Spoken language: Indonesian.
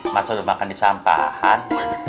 masa udah makan di sampahan